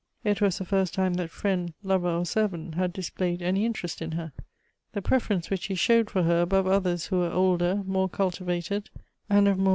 It was the first time that friend, lover, or servant had displayed any interest in her. The preference which he showed for her above others who were older, more cultivated, and of more Elective Affinities.